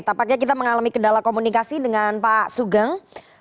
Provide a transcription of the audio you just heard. tampaknya kita mengalami kendala komunikasi dengan pak sugeng